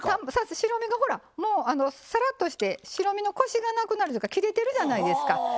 白身がさらっとして白身のコシがなくなるというか切れてるじゃないですか。